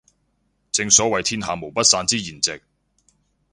正所謂天下無不散之筵席